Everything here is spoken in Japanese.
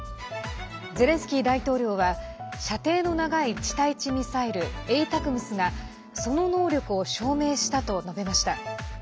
ゼレンスキー大統領は射程の長い地対地ミサイルＡＴＡＣＭＳがその能力を証明したと述べました。